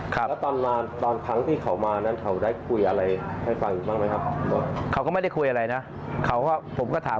ขับรถเบนท์ครับครับแล้วตอนไปตอนทั้งที่เขามานั้น